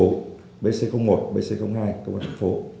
bc một bc hai công an phòng nghiệp vụ